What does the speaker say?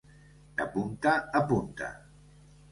De punta a punta.